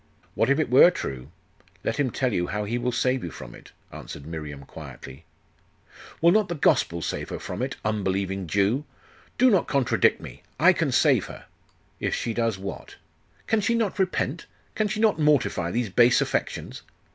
'What if it were true? Let him tell you how he will save you from it,' answered Miriam quietly. 'Will not the Gospel save her from it unbelieving Jew? Do not contradict me! I can save her.' 'If she does what?' 'Can she not repent? Can she not mortify these base affections?